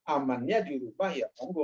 amannya dirupakan ya monggo